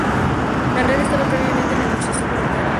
La red estaba previamente en administración voluntaria.